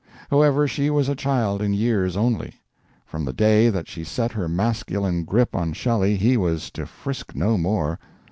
However, she was a child in years only. From the day that she set her masculine grip on Shelley he was to frisk no more.